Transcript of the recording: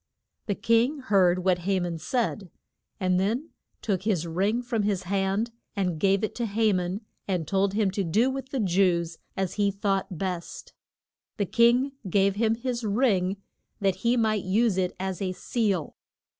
The king heard what Ha man said, and then took his ring from his hand and gave it to Ha man, and told him to do with the Jews as he thought best. The king gave him his ring that he might use it as a seal.